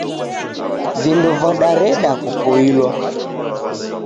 Vindo vadareda kupoilwa.